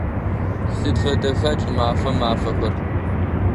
Сыд фэдэха кӏымафэм мафэхэр?